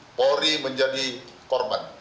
mori menjadi korban